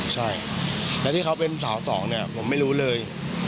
ใช่แล้วที่เขาเป็นสาว๒ผมไม่รู้เลย